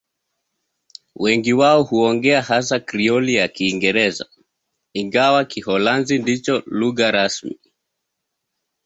Wengi wao huongea hasa Krioli ya Kiingereza, ingawa Kiholanzi ndicho lugha rasmi.